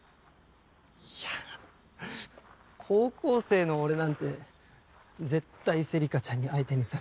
いや高校生の俺なんて絶対芹香ちゃんに相手にされない。